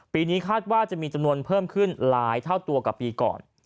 ปีนี้คาดว่าจะมีจำนวนเพิ่มขึ้นหลายเท่าตัวกับปีก่อน